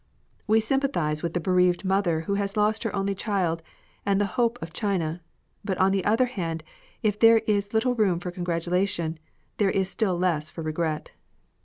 We sympathise with the bereaved mother who has lost her only child and the hope of China ; but on the other hand if there i^ little room for cougratulation, there is still less for regret.